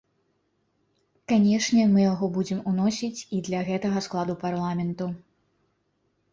Канешне, мы яго будзем уносіць і для гэтага складу парламенту.